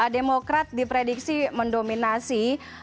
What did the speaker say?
demokrat diprediksi mendominasi